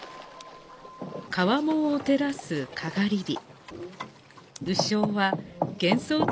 川面を照らす篝火。